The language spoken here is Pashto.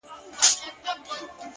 • چي ستا گېډي او بچیو ته په کار وي,